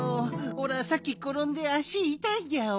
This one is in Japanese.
おらさっきころんであしいたいギャオ。